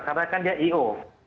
karena kan dia i o